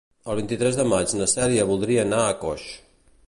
El vint-i-tres de maig na Cèlia voldria anar a Coix.